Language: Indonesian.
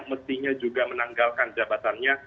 mestinya juga menanggalkan jabatannya